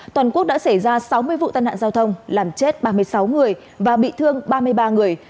toàn quốc đã xảy ra sáu mươi vụ tai nạn giao thông làm chết ba mươi sáu người và bị thương ba mươi ba người